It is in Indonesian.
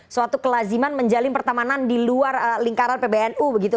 suatu kelaziman menjalin pertamanan di luar lingkaran pbnu begitu